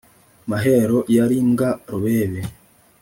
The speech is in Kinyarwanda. Mahero yari mbwa rubebe